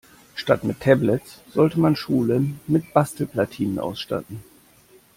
Statt mit Tablets sollte man Schulen mit Bastelplatinen ausstatten.